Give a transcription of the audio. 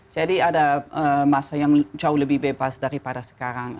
jadi ada masa yang jauh lebih bebas daripada sekarang